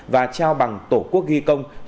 và trao bằng tổ quốc ghi công an